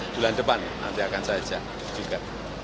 bulan depan nanti akan saya ajak juga